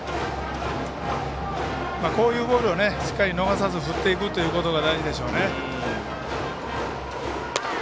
こういうボールをしっかり逃さずに振っていくということが大事でしょうね。